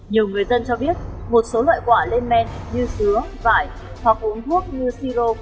nhiều người dân cho biết một số loại quả lên men như sứa vải hoặc uống thuốc như siro